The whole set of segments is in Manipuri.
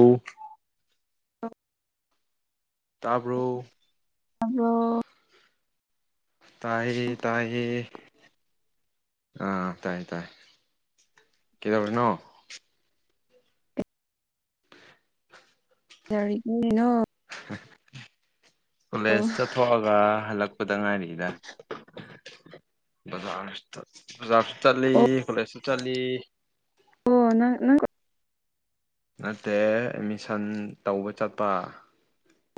ꯑꯣ ꯑ ꯇꯥꯕꯔꫭ ꯑꯗꯣ ꯇꯥꯏꯌꯦ ꯇꯥꯏꯌꯦ ꯑꯥ ꯇꯥꯏ ꯇꯥꯏ ꯀꯩꯗꯧꯔꯤꯅꯣ ꯀꯔꯤ ꯏꯪꯉꯤꯅꫭ ꯀꯣꯂꯦꯖ ꯑꯣ ꯆꯠꯊꯣꯛꯑꯒ ꯍꯜꯂꯛꯄꯗ ꯉꯥꯏꯔꯤ ꯖꯖ ꯍꯂꯥꯏꯁꯤ ꯏꯇꯥꯂꯤ ꯑꯣ ꯅꯪ ꯅꯪ ꯅꯠꯇꯦ ꯑꯦꯠꯃꯤꯁꯟ ꯇꯧꯕ ꯆꯠꯄ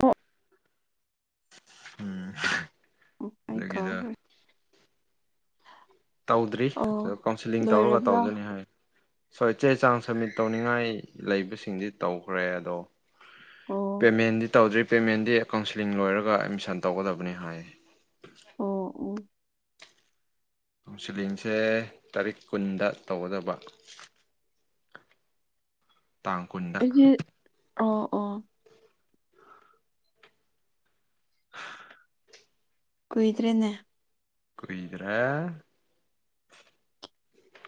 ꯑꯣ ꯎꯝ ꯎꯥꯏ ꯀ꯭ꯔꯦ ꯑꯗꯨꯒꯤꯗ ꯇꯧꯗ꯭ꯔꯤ ꯑꯣ ꯑ ꯀꯥꯎꯟꯁꯤꯂꯤꯡ ꯇꯧꯔꯒ ꯂꯣꯏꯔꯕ꯭ꯔꯥ ꯇꯧꯖꯅꯤ ꯍꯥꯏ ꯁꯣ ꯆꯦ ꯆꯥꯡ ꯁꯃꯤꯠ ꯇꯧꯅꯤꯡꯉꯥꯏ ꯂꯩꯕꯁꯤꯡꯗꯤ ꯇꯧꯈ꯭ꯔꯦ ꯑꯗꯣ ꯑꯣ ꯄꯦꯃꯦꯟꯗꯤ ꯇꯧꯗ꯭ꯔꯤ ꯄꯦꯃꯦꯟꯗꯤ ꯀꯥꯎꯟꯁꯤꯂꯤꯡ ꯂꯣꯏꯔꯒ ꯑꯦꯠꯃꯤꯁꯟ ꯇꯧꯒꯗꯕꯅꯤ ꯍꯥꯏꯌꯦ ꯑꯣ ꯑꯣ ꯀꯥꯎꯟꯁꯤꯂꯤꯡꯁꯦ ꯇꯥꯔꯤꯛ ꯀꯨꯟꯗ ꯇꯧꯒꯗꯕ ꯇꯥꯡ ꯀꯨꯟ ꯑꯩꯒꯤ ꯑꯥ ꯑꯥ ꯎ [inaudible] ꯀꯨꯏꯗ꯭ꯔꯦꯅꯦ ꯀꯨꯏꯗ꯭ꯔꯦ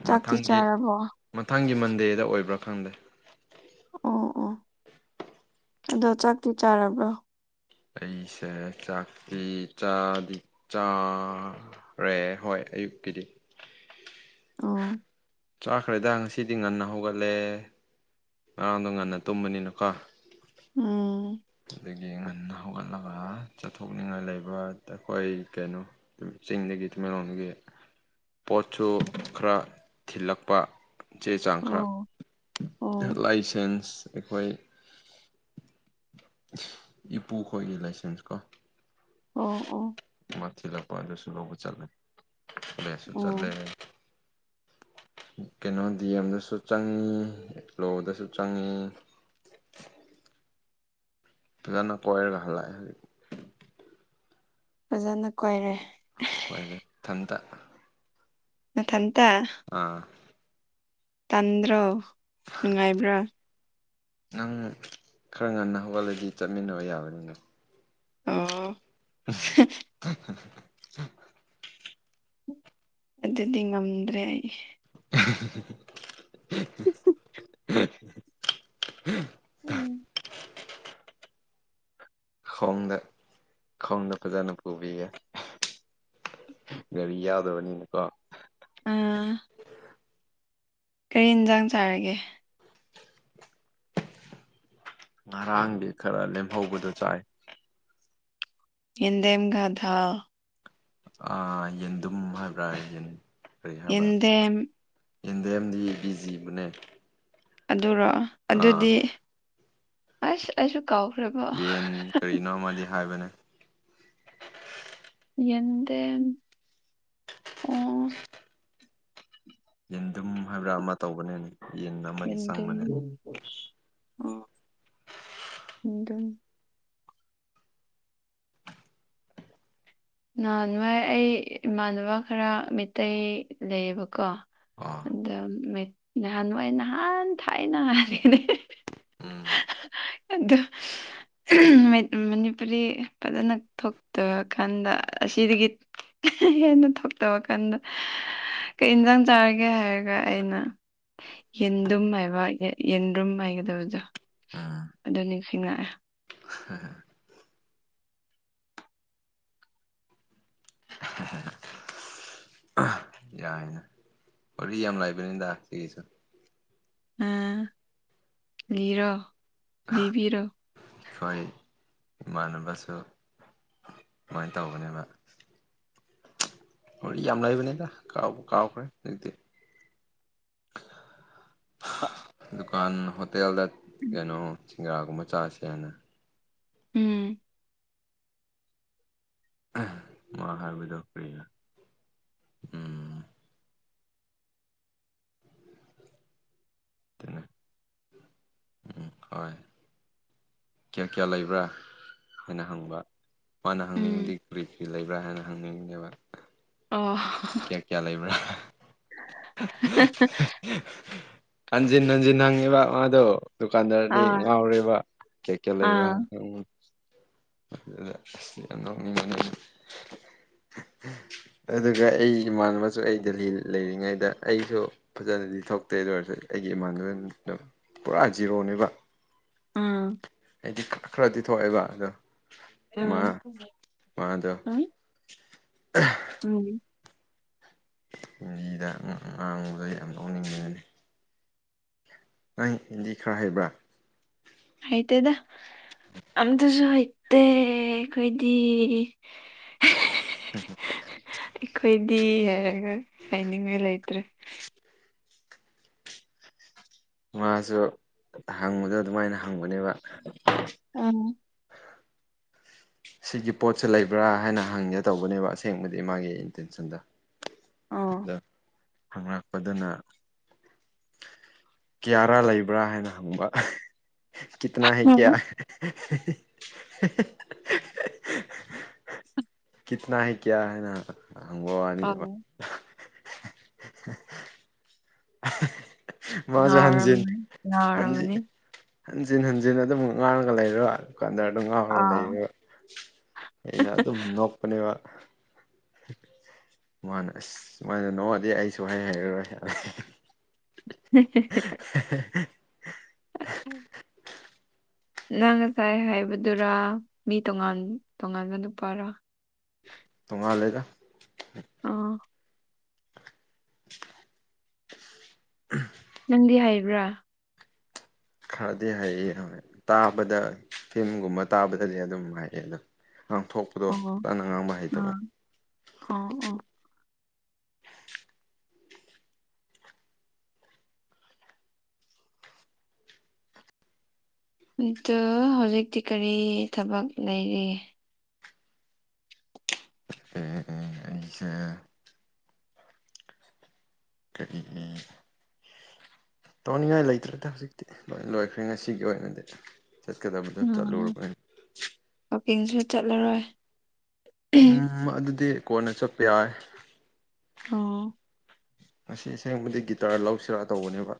ꯆꯥꯛꯇꯤ ꯃꯊꯪꯒꯤ ꯆꯥꯔꯕꯣ ꯃꯊꯪꯒꯤ ꯃꯟꯗꯦꯗ ꯑꯣꯏꯕ꯭ꯔꯥ ꯈꯪꯗꯦ ꯑꯣ ꯑꯣ ꯑꯗꯣ ꯆꯥꯛꯇꯤ ꯆꯥꯔꯕ꯭ꯔꯣ ꯑꯩꯁꯦ ꯆꯥꯛꯇꯤ ꯆꯥꯗꯤ ꯆꯥ ꯂꫭꯏꯔꯦ ꯍꯣꯏ ꯑꯌꯨꯛꯀꯤꯗꯤ ꯑꯣ ꯆꯥꯈ꯭ꯔꯦꯗ ꯉꯁꯤꯗꯤ ꯉꯟꯅ ꯍꯧꯒꯠꯂꯦ ꯉꯔꯥꯡꯗꯣ ꯉꯟꯅ ꯇꯨꯝꯕꯅꯤꯅꯀꯣ ꯎꯝ ꯑꯗꯒꯤ ꯉꯟꯅ ꯍꯧꯒꯠꯂꯒ ꯆꯠꯊꯣꯛꯅꯤꯡꯉꯥꯏ ꯂꯩꯕ ꯑꯩꯈꯣꯏ ꯀꯩꯅꯣ ꯆꯤꯡꯗꯒꯤ ꯇꯃꯦꯡꯂꯣꯡꯗꯒꯤ ꯄꯣꯠꯁꯨ ꯈꯔ ꯊꯤꯜꯂꯛꯄ ꯆꯦ ꯆꯥꯡ ꯈꯔ ꯑꯣ ꯑꯣ ꯂꯥꯏꯁꯦꯟꯁ ꯑꯩꯈꯣꯏ ꯏꯄꯨꯈꯣꯏꯒꯤ ꯂꯥꯏꯁꯦꯟꯁ ꯀꯣ ꯑꯣ ꯑꯣ ꯃꯊꯤꯜꯂꯛꯄ ꯑꯗꯨꯁꯨ ꯂꯧꯕ ꯆꯠꯂꯦ ꯁꯨ ꯑꯣ ꯆꯠꯂꯦ ꯀꯩꯅꯣ ꯗꯤ ꯑꯦꯝꯗꯁꯨ ꯆꯪꯉꯤ ꯂꯣꯗꯁꯨ ꯆꯪꯉꯤ ꯑꯗꯨꯖꯅ ꯀꯣꯏꯔꯒꯍꯂꯥꯏ ꯍꯥꯏ ꯐꯖꯅ ꯀꯣꯏꯔꯦ ꯀꯣꯏꯔꯦ ꯏꯊꯟꯇ ꯅꯊꯟꯇ ꯑꯥ ꯇꯟꯗ꯭ꯔꯣ ꯅꯨꯡꯉꯥꯏꯕ꯭ꯔꯥ ꯅꯪ ꯈꯔ ꯉꯟꯅ ꯍꯧꯒꯠꯂꯗꯤ ꯆꯠꯃꯤꯟꯅꯕ ꯌꯥꯕꯅꯤꯅ ꯑꯥ [unintelligible] ꯑꯗꯨꯗꯤ ꯉꯝꯗ꯭ꯔꯦ ꯑꯩ [unintelligible] ꯎꯝ ꯈꯣꯡꯗ ꯈꯣꯡꯗ ꯐꯖꯅ ꯄꯨꯕꯤꯒꯦ ꯒꯥꯔꯤ ꯌꯥꯎꯗꯕꯅꯤꯅꯀꯣ ꯑꯥ ꯀꯔꯤ ꯌꯦꯟꯖꯥꯡ ꯆꯥꯔꯒꯦ ꯉꯔꯥꯡꯗꯤ ꯈꯔ ꯂꯦꯝꯍꯧꯕꯗꯣ ꯆꯥꯏ ꯏꯗꯦꯝ ꯀꯗ ꯑꯥ ꯌꯦꯟꯗꯨꯝ ꯍꯥꯏꯕ꯭ꯔꯥ ꯌꯦꯟ ꯀꯔꯤ ꯍꯥꯏꯕ꯭ꯔꯥ ꯌꯦꯟꯗꯦꯝ ꯌꯦꯟꯗꯦꯝꯗꯤ ꯕꯤ ꯖꯤꯕꯅꯦ ꯑꯗꯨꯔꯣ ꯑꯗꯨꯗꯤ ꯑꯁ ꯑꯩꯁꯨ ꯀꯥꯎꯈ꯭ꯔꯦꯕꯣ ꯅꯣꯃꯗꯤ ꯍꯥꯏꯕꯅꯦ ꯌꯦꯗꯝ ꯑꯣ ꯌꯦꯟꯗꯨꯨꯝ ꯍꯥꯏꯕ꯭ꯔꯥ ꯑꯃ ꯇꯧꯕꯅꯤꯅꯦ ꯌꯦꯟꯗꯦꯝ ꯑ ꯅꯍꯥꯟ ꯋꯥꯏ ꯑꯩ ꯏꯃꯥꯟꯅꯕ ꯈꯔ ꯃꯤꯇꯩꯩ ꯂꯩꯌꯦꯕꯀꯣ ꯑꯣ ꯑꯗ ꯃꯩ ꯅꯍꯥꯟ ꯅꯅꯨꯡꯋꯥꯥꯏ ꯅꯍꯥꯟ ꯊꯥꯏꯅ ꯍꯥꯢꯕꯅꯦ ꯎꯝ ꯑꯗꯨ ꯃꯅꯤꯄꯨꯔꯤ ꯐꯖꯅ ꯊꯣꯛꯇꯔꯀꯥꯟꯗ ꯑꯁꯤꯗꯒꯤ ꯍꯦꯟꯅ ꯊꯣꯛꯇꯕ ꯀꯟꯗ ꯀꯩ ꯌꯦꯟꯁꯥꯡ ꯆꯥꯔꯒꯦ ꯍꯥꯏꯔꯒ ꯑꯩꯅ ꯌꯦꯟꯗꯨꯝ ꯃꯥꯏꯕ ꯌꯦꯟꯗꯨꯝ ꯃꯥꯏꯒꯗꯕꯗꯣ ꯑꯗꯨꯅꯤ ꯈꯉꯥꯛꯑꯦ ꯍ ꯌꯥꯏꯅ ꯍ ꯌꯥꯝ ꯂꯥꯏꯕꯅꯤꯗ ꯁꯤꯒꯤꯁꯨ ꯑꯥ ꯀꯔꯤꯔꯣ ꯂꯤꯕꯤꯔꯣ ꯑꯩꯈꯣꯏ ꯏꯃꯥꯟꯅꯕꯁꯨ ꯀꯃꯥꯏꯅ ꯇꯧꯕꯅꯦꯕ ꯍ ꯌꯥꯝ ꯂꯩꯕ ꯅꯗ ꯀ ꯀꯥꯎꯈꯔꯗꯤ ꯗꯨꯀꯥꯟ ꯍꯣꯇꯦꯜꯗ ꯀꯩꯅꯣ ꯁꯤꯡꯒꯔꯥꯒꯨꯝꯕ ꯆꯥꯥꯁꯦ ꯍꯥꯏꯅ ꯎꯝ ꯃꯥ ꯍꯥꯏꯕꯗꯣ ꯀꯔꯤꯔ ꯎꯝ ꯎꯝ ꯍꯣꯏ ꯀꯌꯥ ꯀꯌꯥ ꯂꯩꯕ꯭ꯔꯥ ꯍꯥꯏꯅ ꯍꯪꯕ ꯃꯥꯅ ꯍꯪꯅꯤꯡꯕꯗꯤ ꯎꯝ ꯀꯔꯤ ꯐ꯭ꯔꯤ ꯂꯩꯕ꯭ꯔꯥ ꯈꯔ ꯍꯦꯟꯅ ꯍꯪꯅꯤꯡꯅꯦꯕ ꯑꯥ ꯀꯌꯥ ꯀꯌꯥ ꯂꯩꯕ꯭ꯔꯥ ꯍꯟꯖꯤꯟ ꯍꯟꯖꯤꯟ ꯍꯪꯉꯤꯕ ꯃꯥꯗꯣ ꯑꯗꯨ ꯀꯥꯟꯗꯥꯗꯤ ꯑꯥ ꯉꯥꯎꯔꯦꯕ ꯀꯌꯦꯀꯌꯦ ꯂꯩꯕ꯭ꯔꯥ ꯑꯥ ꯍꯥꯏ ꯈꯪ ꯑꯗꯨꯗ ꯌꯥꯝ ꯅꯣꯅꯤꯡꯃꯤ ꯑꯗꯨꯒ ꯑꯩ ꯏꯃꯥꯟꯅꯕꯁꯨ ꯑꯩ ꯗꯦꯜꯂꯤ ꯂꯩꯔꯤꯉꯩꯗ ꯑꯩꯁꯨ ꯐꯖꯅꯗꯤ ꯊꯇꯦ ꯑꯗꯨ ꯑꯣꯏꯔꯁꯨ ꯑꯩꯒꯤ ꯏꯃꯥꯟꯅꯕꯅ ꯄꯨꯔꯥ ꯖꯤꯔꯣꯅꯦꯕ ꯎꯝ ꯍꯥꯏꯗꯤ ꯈꯔꯗꯤ ꯊꯣꯛꯑꯦꯕ ꯑꯗꯣ ꯎ ꯃꯥ ꯃꯥꯗꯣ ꯎꯝ ꯎꯝ ꯍꯤꯟꯗꯤꯗ ꯑꯉꯥꯡꯕꯗꯨ ꯑꯩ ꯌꯥꯝ ꯅꯣꯛꯅꯤꯡꯕꯅꯤ ꯅꯪ ꯍꯤꯟꯗꯤ ꯈꯔ ꯍꯩꯕ꯭ꯔꯥ ꯍꯥꯏꯇꯦꯏꯗ ꯑꯃꯇꯁꯨꯍꯩꯇꯦ ꯀꯣꯏꯗꯤ ꯑꯩꯈꯣꯏꯗꯤ ꯍꯥꯏꯔꯒ ꯍꯥꯏꯅꯤꯡꯉꯥꯏ ꯂꯩꯇ꯭ꯔꯦ ꯃꯥꯁꯨ ꯍꯪꯕꯗ ꯑꯗꯨꯃꯥꯏꯅ ꯍꯪꯕꯅꯦꯕ ꯎꯝ ꯁꯤꯒꯤ ꯄꯣꯠꯁ ꯂꯩꯕ꯭ꯔꯥ ꯍꯥꯏꯅ ꯍꯪꯒꯦ ꯇꯧꯕꯅꯦꯕ ꯑꯁꯦꯡꯕꯗꯤ ꯃꯥꯒꯤ ꯏꯟꯇꯦꯟꯁꯟꯗꯣ ꯑꯣ ꯗ ꯍꯪꯂꯛꯄꯗꯅ ꯀꯌꯥꯔꯥ ꯂꯩꯕ꯭ꯔꯥ ꯍꯥꯏꯅ ꯍꯪꯕ ꯀꯤꯇꯅ ꯍꯦꯛ ꯀꯌꯥ ꯎꯝ [unintelligible] ꯀꯤꯠꯇꯅꯥ ꯍꯥꯢ ꯀꯌꯥ ꯍꯥꯏꯅꯪꯕ ꯋꯥꯅꯤꯗ ꯑꯣ ꯃꯥꯁꯨ ꯍꯟꯖꯤꯟ ꯉꯥꯎꯔꯝꯃꯅꯤ ꯍꯟꯖꯤꯟ ꯉꯥꯎꯔꯝꯃꯅꯤ ꯍꯟꯖꯤꯟ ꯍꯟꯖꯤꯟ ꯑꯗꯨꯝ ꯉꯥꯎꯔꯒ ꯂꯩꯔ ꯗꯨꯀꯥꯟꯗꯔ ꯑꯗꯨꯝ ꯉꯥꯎꯔꯒ ꯑꯥ ꯂꯩꯔꯣ ꯑꯩꯅ ꯑꯗꯨꯝ ꯅꯣꯛꯄꯅꯦꯕ ꯃꯥꯃꯅ ꯑꯁ ꯁꯨꯃꯅ ꯅꯅꯨꯡꯉꯗꯤ ꯑꯩꯁꯨ ꯍꯩ ꯍꯥꯏꯩꯔꯔꯣꯏ ꯍ [inaudible] ꯅꯪ ꯉꯁꯥꯏ ꯍꯥꯏꯕꯗꯨꯔ ꯃꯤ ꯇꯣꯉꯥꯟ ꯇꯣꯉꯥꯟꯕ ꯅꯨꯄꯥꯔꯥ ꯊꯣꯡꯉ ꯂꯩꯦꯗ ꯑ ꯎ ꯅꯪꯗꯤ ꯍꯥꯏꯕ꯭ꯔꯥ ꯈꯔꯗꯤ ꯍꯩꯌꯦ ꯇꯥꯕꯗ ꯐꯤꯝꯒꯨꯝꯕ ꯇꯥꯕꯗꯗꯤ ꯑꯗꯨꯝ ꯍꯥꯏꯌꯦ ꯑꯗꯣ ꯉꯥꯡꯊꯣꯛ ꯑꯣꯍꯣ ꯎꯝ ꯑꯣ ꯎꯝ ꯑ ꯍꯧꯖꯤꯛꯇꯤ ꯀꯔꯤ ꯊꯕꯛ ꯂꯩꯔꯤ ꯑꯦ ꯑꯦ ꯑꯩꯁꯦ ꯀꯔꯤꯒꯤ ꯇꯧꯅꯤꯡꯉꯥꯏ ꯂꯩꯇ꯭ꯔꯗꯤ ꯍꯧꯖꯤꯛꯇꯤ ꯂꯣꯏ ꯂꯣꯏꯈ꯭ꯔꯦ ꯉꯁꯤꯒꯤ ꯑꯣꯏꯅꯗꯤ ꯆꯠ ꯀꯗꯕꯗ ꯆꯠꯂꯣ ꯎꯝ ꯑꯗꯨꯃꯥꯏꯅ ꯋꯥꯛꯀꯤꯡꯁꯨ ꯆꯠꯂꯔꯣꯏ ꯎꯝ ꯎꯝ ꯑꯗꯨꯗꯤ ꯀꯣꯟꯅ ꯆꯠꯄ ꯌꯥꯏ ꯑꯣꯥꯎ ꯉꯥꯁꯤ ꯑꯁꯦꯡꯕꯗꯤ ꯒꯤꯇꯥꯔ ꯂꯧꯁꯤꯔꯥ ꯇꯧꯕꯅꯦꯕ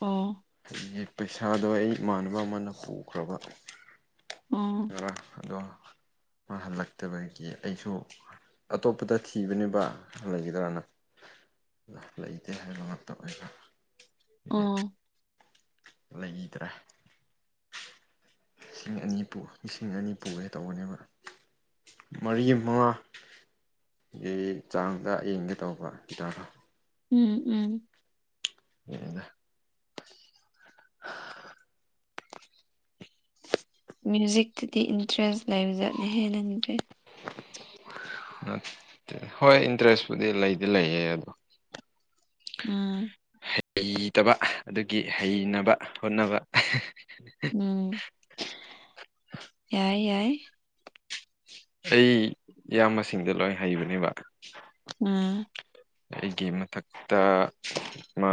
ꯑꯣ ꯑꯩꯒꯤ ꯄꯩꯁꯥꯗꯣ ꯑꯩ ꯏꯃꯥꯟꯅꯕ ꯑꯃꯅ ꯍꯨꯈ꯭ꯔꯕ ꯎꯝ ꯑꯗꯣ ꯃꯥ ꯍꯜꯂꯛꯇꯕꯒꯤ ꯑꯩꯁꯨ ꯑꯇꯣꯞꯄꯗ ꯊꯤꯕꯅꯦꯕ ꯂꯩꯒꯗ꯭ꯔꯥꯅ ꯂꯩꯇꯦ ꯍꯥꯏꯕ ꯃꯇꯝ ꯑꯣꯏ ꯎꯝ ꯂꯩꯗ꯭ꯔꯦ ꯂꯤꯁꯤꯡ ꯑꯅꯤ ꯄꯨ ꯂꯤꯁꯤꯡ ꯑꯅꯤ ꯄꯨꯒꯦ ꯇꯧꯕꯅꯦꯕ ꯃꯔꯤ ꯃꯉꯥ ꯒꯤ ꯆꯥꯡꯗ ꯑꯌꯦꯡꯒꯦ ꯇꯧꯕ ꯒꯤꯇꯥꯔꯣ ꯎꯝ ꯎꯝ [unintelligible] ꯍ ꯃ꯭ꯌꯨꯖꯤꯛꯇꯗꯤ ꯏꯟꯇꯔꯦꯁ ꯂꯩꯕꯖꯥꯠꯅꯤ ꯍꯦ ꯅꯪ ꯖꯦ ꯍꯣꯏ ꯏꯟꯇꯔꯦꯁꯄꯨꯗꯤ ꯂꯩꯗꯤ ꯂꯩꯌꯦ ꯑꯗꯣ ꯎꯝ ꯍꯩꯇꯕ ꯑꯗꯨꯒꯤ ꯍꯩꯅꯕ ꯍꯣꯠꯅꯕ ꯎꯝ ꯌꯥꯏ ꯌꯥꯏ ꯑꯩ ꯏꯌꯥꯝꯕ ꯁꯤꯡꯗꯤ ꯂꯣꯏ ꯍꯩꯕꯅꯦꯕ ꯎꯝ ꯑꯩꯒꯤ ꯃꯊꯛꯇ ꯃꯥ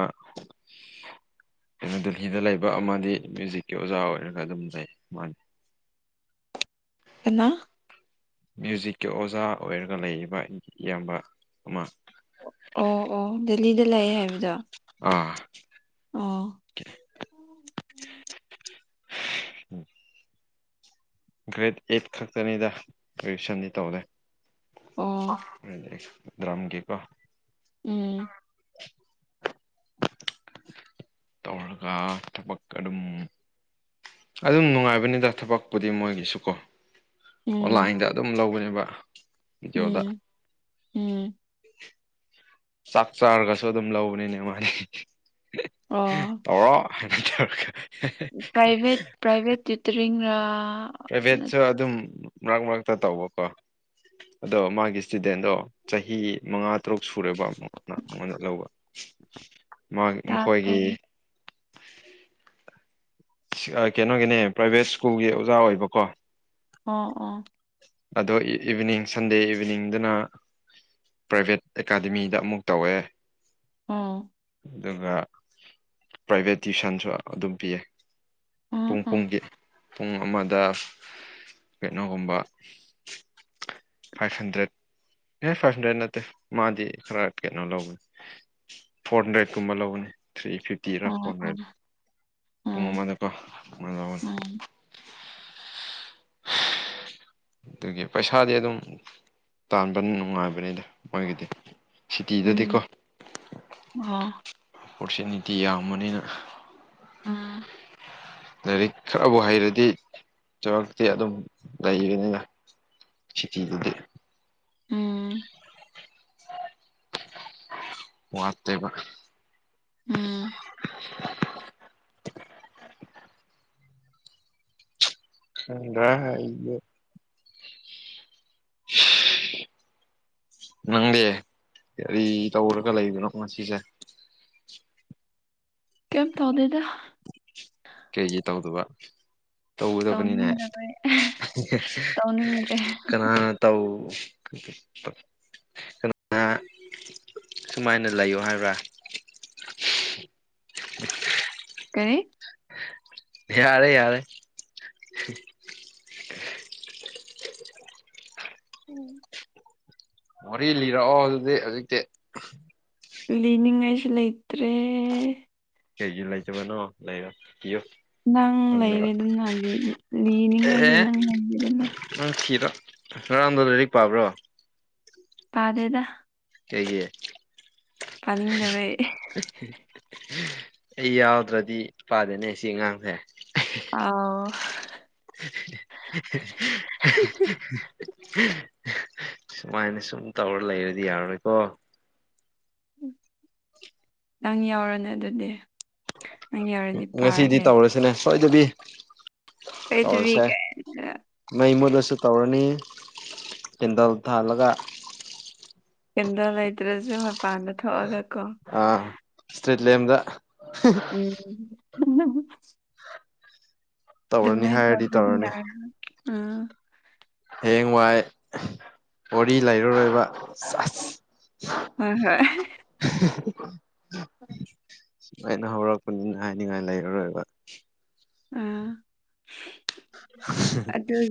ꯀꯩꯅꯣ ꯗꯦꯜꯂꯤꯗ ꯂꯩꯕ ꯑꯃꯗꯤ ꯃ꯭ꯌꯨꯖꯤꯛꯀꯤ ꯑꯣꯖꯥ ꯑꯣꯏꯔꯒ ꯑꯗꯨꯝ ꯂꯩ ꯃꯥꯅꯤ ꯀꯅꯥ ꯃ꯭ꯌꯨꯖꯤꯛꯀꯤ ꯑꯣꯖꯥ ꯑꯣꯏꯔꯒ ꯂꯩꯔꯤꯕ ꯏꯌꯥꯝꯕ ꯑꯃ ꯑꯣ ꯑꯣ ꯗꯦꯜꯂꯤꯗ ꯂꯑꯦ ꯍꯥꯏꯕꯗꯣ ꯑ ꯑꯣ [unintelligible] ꯒ꯭ꯔꯦꯗ ꯑꯩꯠ ꯈꯛꯇꯅꯤꯗ ꯭ꯔꯦꯖꯦꯁꯟꯗꯤ ꯇꯧꯔꯦ ꯑꯣ ꯗ꯭ꯔꯝꯒꯤ ꯀꯣ ꯎꯝ ꯇꯧꯔꯒ ꯊꯕꯛ ꯑꯗꯨꯝ ꯑꯗꯨꯝ ꯅꯨꯡꯉꯥꯏꯕꯅꯤꯗ ꯊꯕꯛꯄꯨꯗꯤ ꯃꯣꯏꯒꯤꯁꯨ ꯀꯣ ꯎꯝ ꯑꯣꯟꯂꯥꯏꯟꯗ ꯑꯗꯨꯝ ꯂꯧꯕꯅꯦꯕ ꯚꯤꯗꯤꯑꯣꯗ ꯎꯝ ꯎꯝ ꯆꯥꯛ ꯆꯥꯔꯒꯁꯨ ꯑꯗꯨꯝ ꯂꯧꯕꯅꯤꯅꯦ ꯃꯥꯅꯤ ꯑꯣ ꯇꯧꯔꯣ [unintelligible] ꯄꯥꯏꯚꯦꯠ ꯄꯥꯏꯚꯦꯠ ꯇꯨꯇꯔꯤꯡ ꯔ ꯄ꯭ꯔꯥꯏꯚꯦꯠꯁꯨ ꯑꯗꯨꯝ ꯃꯔꯛ ꯃꯔꯛꯇ ꯇꯧꯕꯀꯣ ꯑꯗꯣ ꯃꯥꯒꯤ ꯏꯁꯇꯨꯗꯦꯟꯗꯣ ꯆꯍꯤ ꯃꯉꯥ ꯇꯔꯨꯛ ꯁꯨꯔꯦꯕ ꯑꯃꯨꯛ ꯑꯩꯉꯣꯟꯗ ꯂꯧꯕ ꯃꯥ ꯃꯈꯣꯏꯒꯤ ꯇꯥꯗ꯭ꯔꯦ ꯀꯩꯅꯣꯒꯤꯅꯦ ꯄ꯭ꯔꯥꯏꯕꯦꯠ ꯁ꯭ꯀꯨꯜꯒꯤ ꯑꯣꯖꯥ ꯑꯣꯏꯕꯀꯣ ꯑꯣ ꯑꯣ ꯑꯗꯣ ꯏꯚꯤꯅꯤꯡ ꯁꯟꯗꯦ ꯏꯚꯤꯅꯤꯡꯗꯨꯅ ꯄ꯭ꯔꯥꯏꯚꯦꯠ ꯑꯦꯀꯥꯗꯃꯤꯗ ꯑꯃꯨꯛ ꯇꯧꯋꯦ ꯑꯣ ꯑꯗꯨꯒ ꯄ꯭ꯔꯥꯏꯚꯦꯠ ꯇ꯭ꯋꯤꯁꯟꯁꯨ ꯑꯗꯨꯝ ꯄꯤꯌꯦ ꯎꯝ ꯄꯨꯡ ꯎꯝ ꯄꯨꯡꯒꯤ ꯄꯨꯡ ꯑꯃꯗ ꯀꯩꯅꯣꯒꯨꯝꯕ [inaudible] ꯐꯥꯏꯚ ꯍꯟꯗ꯭ꯔꯦꯠ ꯑꯦ ꯐꯥꯏꯚ ꯍꯟꯗ꯭ꯔꯦꯠ ꯅꯠꯇꯦ ꯃꯥꯗꯤ ꯈꯔ ꯀꯩꯅꯣ ꯂꯧꯕꯅꯦ ꯐꯣꯔ ꯍꯟꯗ꯭ꯔꯦꯠꯀꯨꯝꯕ ꯂꯧꯕꯅꯤ ꯊ꯭ꯔꯤ ꯐꯤꯐꯇꯤ ꯇꯤꯔ ꯑꯣ ꯐꯟꯔꯦ ꯑꯣ ꯄꯨꯡ ꯎꯝ ꯑꯃꯗꯀꯣ ꯑꯃ ꯂꯧꯕꯅꯤ ꯎꯝ ꯑꯗꯨꯒꯤ ꯄꯩꯁꯥꯗꯤ ꯑꯗꯨꯝ ꯇꯥꯟꯕꯅꯤ ꯅꯨꯡꯉꯥꯏꯕꯅꯤꯗ ꯃꯣꯏꯒꯤꯗꯤ ꯁꯤꯇꯤꯗꯗꯤꯀꯣ ꯎꯝ ꯑꯣ ꯑꯣꯄꯣꯔꯆꯨꯅꯤꯇꯤ ꯌꯥꯝꯕꯅꯤꯅ ꯑ ꯂꯥꯏꯔꯤꯛ ꯈꯔꯕꯨ ꯍꯩꯔꯗꯤ ꯆꯥꯎꯔꯛꯇꯤ ꯑꯗꯨꯝ ꯂꯩꯒꯅꯤꯅ ꯁꯤꯀꯤꯗꯨꯗꯤ ꯎꯝ ꯑ ꯋꯥꯠꯇꯦꯕ ꯎꯝ ꯇꯪꯗꯔꯥ ꯑꯩꯗꯤ [unintelligible] ꯅꯪꯗꯤ ꯀꯔꯤ ꯇꯧꯔꯒ ꯂꯩꯕꯅꯣ ꯉꯁꯤꯁꯦ ꯀꯝ ꯇꯧꯗꯦꯗ ꯀꯩꯒꯤ ꯇꯧꯗꯕ ꯇꯧꯒꯗꯕꯅꯤꯅꯦ ꯇꯧꯅꯤꯡꯗꯕꯩ ꯍꯤꯍꯦ ꯇꯧꯅꯤꯡꯗ꯭ꯔꯦ ꯀꯅꯥꯅ ꯇꯧ ꯀ ꯀ ꯀꯅ ꯁꯨꯃꯥꯏꯅ ꯂꯩꯌꯣ ꯍꯥꯏꯕ꯭ꯔꯥ ꯀꯔꯤ [unintelligible] ꯌꯥꯔꯦ ꯌꯥꯔꯦ ꯎꯝ ꯋꯥꯔꯤ ꯂꯤꯔꯛꯑꯣ ꯑꯗꯨꯗꯤ ꯍꯧꯖꯤꯛꯇꯤ ꯎꯝ ꯂꯤꯅꯤꯡꯉꯥꯏꯁꯨ ꯂꯩꯇ꯭ꯔꯦ ꯀꯦꯒꯤ ꯂꯩꯖꯕꯅꯣ ꯂꯩꯔꯣ ꯀꯤꯌꯣ ꯅꯪ ꯂꯩꯔꯦꯗꯅꯗꯤ ꯂꯤꯅꯤꯡꯉꯩꯗꯤ ꯑꯦ ꯅꯪ ꯂꯩꯔꯤꯗꯅ ꯅꯪ ꯊꯤꯔꯣ ꯉꯔꯥꯡꯗꯣ ꯂꯥꯏꯔꯤꯛ ꯄꯥꯕ꯭ꯔꯣ ꯄꯥꯗꯦꯗ ꯀꯩꯒꯤ ꯄꯅꯤꯡꯗꯕꯩ ꯑꯩ ꯌꯥꯎꯗ꯭ꯔꯗꯤ ꯄꯥꯗꯦꯅꯦ ꯁꯤ ꯑꯉꯥꯡꯁꯦ ꯑꯧꯎ [unintelligible] ꯁꯨꯃꯥꯏꯅ ꯁꯨꯝ ꯇꯧꯔ ꯂꯩꯔꯗꯤ ꯌꯥꯔꯔꯣꯏꯀꯣ ꯅꯪ ꯌꯥꯎꯔꯅꯦ ꯑꯗꯨꯗꯤ ꯅꯪ ꯌꯧꯔꯗꯤ ꯉꯁꯤꯗꯤ ꯄꯥꯔꯒꯦ ꯇꯧꯔꯁꯤꯅꯦ ꯁꯣꯏꯗꯕꯤ ꯀꯩꯗꯕꯤ ꯇꯧꯔꯁꯦ ꯃꯩ ꯃꯨꯠꯂꯁꯨ ꯇꯧꯔꯅꯤ ꯀꯦꯟꯗꯜ ꯊꯥꯜꯂꯒ ꯀꯦꯟꯗꯜ ꯂꯩꯇ꯭ꯔꯁꯨ ꯃꯄꯥꯟꯗ ꯊꯣꯛꯑꯒ ꯀꯣ ꯏꯁꯇ꯭ꯔꯦꯠ ꯂꯦꯝꯗ ꯎꯝ [unintelligible] ꯇꯧꯔꯅꯤ ꯗꯨꯃꯥꯏ ꯍꯥꯏꯔꯗꯤ ꯇꯧꯗꯔꯗꯤ ꯇꯧꯔꯅꯤ ꯌꯥꯔꯔꯣꯢ ꯑ ꯍꯌꯦꯡꯋꯥꯏ ꯋꯥꯔꯤ ꯂꯩꯔꯔꯣꯏꯕ ꯁꯥꯁ ꯍꯣꯏ ꯍꯣꯏ [unintelligible] [unintelligible] ꯁꯨꯃꯥꯏꯅ ꯍꯧꯔꯛꯄꯅꯤꯅ ꯍꯥꯏꯅꯤꯡꯉꯥꯏ ꯂꯩꯔꯔꯣꯏꯕ ꯑ [unintelligible]